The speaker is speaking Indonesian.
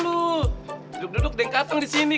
duduk duduk deng katong di sini